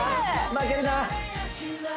負けるな！